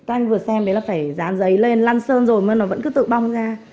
các anh vừa xem đấy là phải dán giấy lên lăn sơn rồi mà nó vẫn cứ tự bong ra